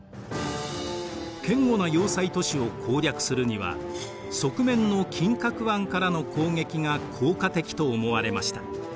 堅固な要塞都市を攻略するには側面の金角湾からの攻撃が効果的と思われました。